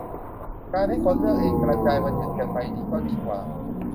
การให้คนเลือกเองกระจายวันหยุดกันไปก็ดีกว่า